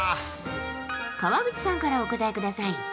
川口さんからお答えください。